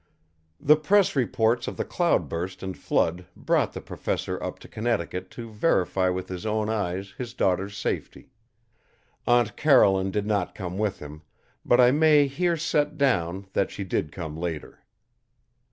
The press reports of the cloudburst and flood brought the Professor up to Connecticut to verify with his own eyes his daughter's safety. Aunt Caroline did not come with him, but I may here set down that she did come later.